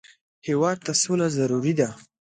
هېواد ته سوله ضروري ده